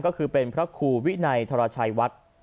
ก็คือเป็นพระครูวินัยธรชัยวัด